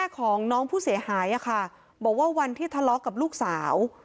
ของน้องผู้เสียหายบอกว่าวันที่ทะเลาะกับลูกสาว